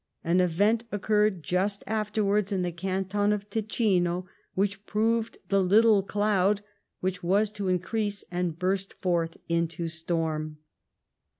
An event occurred just afterwards in the canton of Ticino which proved the little cloud which was to increase and burst forth into storm.